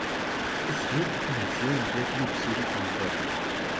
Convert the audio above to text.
Smith nació en Redwood City, California.